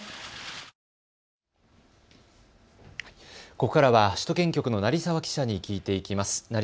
ここからは首都圏局の成澤記者に聞いていきます。